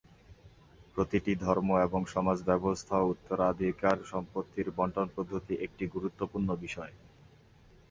প্রতিটি ধর্ম এবং সমাজ ব্যবস্থায় উত্তরাধিকার সম্পত্তির বণ্টন পদ্ধতি একটি গুরুত্বপূর্ণ বিষয়।